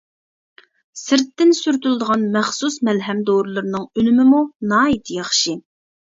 سىرتتىن سۈرتۈلىدىغان مەخسۇس مەلھەم دورىلىرىنىڭ ئۈنۈمىمۇ ناھايىتى ياخشى.